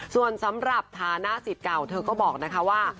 ส่วนสำหรับฐานะสิทธิ์เก่าเธอก็บอกนะคะว่า